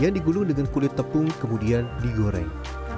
yang digulung dengan kulit tepung kemudian digoreng